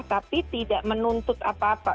tapi tidak menuntut apa apa